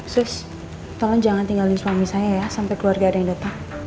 swiss tolong jangan tinggalin suami saya ya sampai keluarga ada yang datang